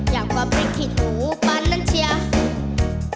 อย่างกว่าพลิกที่หนูปรันนั้นเชียค